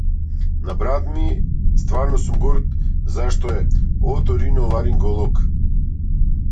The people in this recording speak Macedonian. На брат ми стварно сум горд зашто е оториноларинголог.